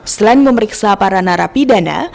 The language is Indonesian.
selain memeriksa para narapidana